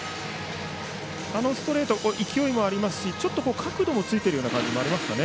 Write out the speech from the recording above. ストレートは勢いもありますしちょっと角度もついている感じもありますかね。